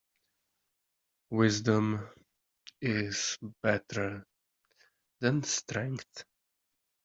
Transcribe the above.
Wisdom is better than strength.